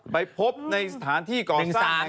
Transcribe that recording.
ไปพบในสถานที่ก่อสร้าง